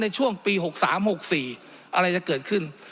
ในช่วงปี๖๓๖๔อะไรจะเกิดขึ้น